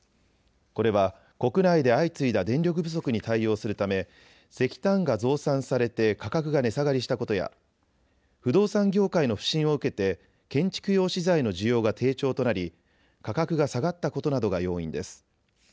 これは国内で相次いだ電力不足に対応するため石炭が増産されて価格が値下がりしたことや不動産業界の不振を受けて建築用資材の需要が低調となり価格が下がったことなどが要因です。